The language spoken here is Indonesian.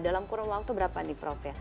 dalam kurang waktu berapa nih prof